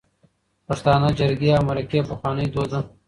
پښتانه جرګی او مرکی پخواني دود ده